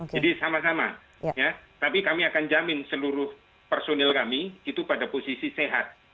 jadi sama sama ya tapi kami akan jamin seluruh personil kami itu pada posisi sehat